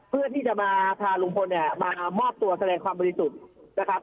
เพื่อที่จะมาพาลุงพลเนี่ยมามอบตัวแสดงความบริสุทธิ์นะครับ